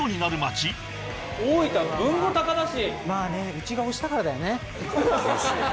うちが推したからだよね。